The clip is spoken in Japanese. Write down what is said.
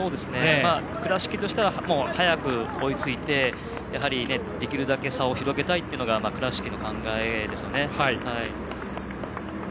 倉敷としては早く追いついて、できるだけ差を広げたいというのが倉敷の考えですよね。